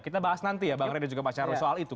kita bahas nanti ya bang reda dan pak sarwi soal itu